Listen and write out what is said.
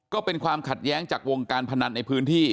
ก็เป็นความขัดแย้งจากวงการพนันในพื้นที่